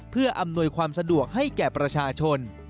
เพื่ออำนวยความสะดวกให้แก่ประชาชน